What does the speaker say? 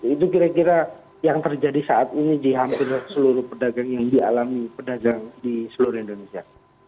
itu kira kira yang terjadi saat ini di hampir seluruh pedagang yang dialami pedagang di seluruh indonesia